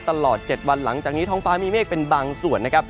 ตลอด๗วันหลังจากนี้ท้องฟ้ามีเมฆเป็นบางส่วนนะครับ